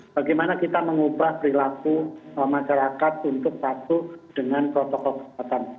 bagaimana kita mengubah perilaku masyarakat untuk patuh dengan protokol kesehatan